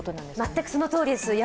全くそのとおりです。